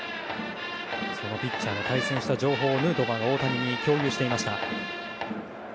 ピッチャーと対戦した情報をヌートバーが大谷に共有していました。